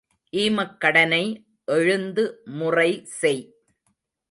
ஈமக் கடனை எழுந்து முறை செய்.